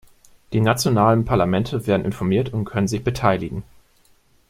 Die nationalen Parlamente werden informiert und können sich beteiligen.